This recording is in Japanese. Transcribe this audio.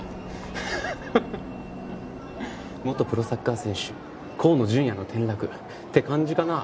「元プロサッカー選手河野純也の転落」って感じかな？